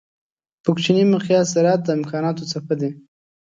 په کوچني مقیاس ذرات د امکانانو څپه دي.